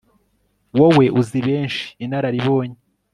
wowe uzi benshi inararibonye